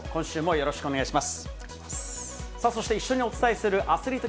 よろしくお願いします。